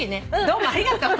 どうもありがとう。